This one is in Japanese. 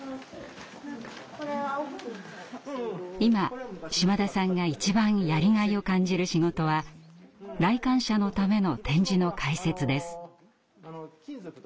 今島田さんが一番やりがいを感じる仕事は来館者のための展示の解説です。